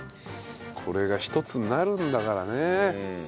これが一つになるんだからね。